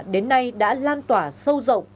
đến nay đã lan tỏa sâu rộng